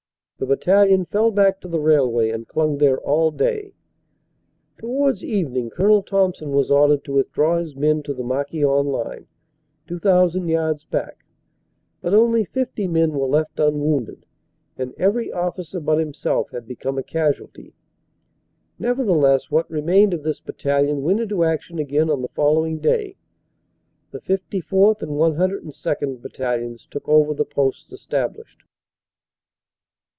The battalion fell back to the railway and clung there all day. Towards evening Col. Thompson was ordered to withdraw his men to the Marquion line, 2,000 yards back, but only 50 men were left unwounded and every officer but himself had become a casualty. Nevertheless what remained of this battalion went into action again on the following day. The 54th. and 102nd. Battalions took over the posts established.